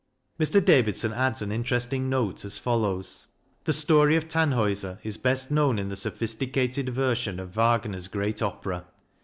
Mr. Davidson adds an interesting note, as follows : The story of Tannhauser is best known in the sophisticated version of Wagner's great opera.